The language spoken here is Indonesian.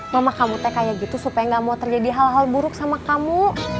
mama kamu kayak gitu supaya gak mau terjadi hal hal buruk sama kamu